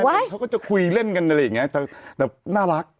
เขาก็จะคุยเล่นกันอะไรอย่างนี้แต่น่ารัก